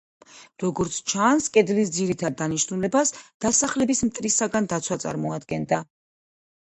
როგორც ჩანს, კედლის ძირითად დანიშნულებას დასახლების მტრისგან დაცვა წარმოადგენდა.